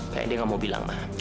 kayaknya dia nggak mau bilang mah